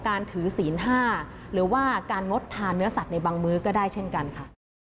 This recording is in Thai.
การถือศีล๕หรือว่าการงดทานเนื้อสัตว์ในบางมื้อก็ได้เช่นกันค่ะ